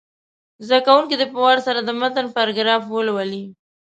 زده کوونکي دې په وار سره د متن پاراګراف ولولي.